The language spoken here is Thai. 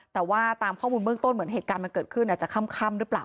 แต่ว่าตามข้อมูลเบื้องต้นเหมือนเหตุการณ์มันเกิดขึ้นอาจจะค่ำหรือเปล่า